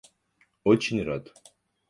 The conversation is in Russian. Очень рад.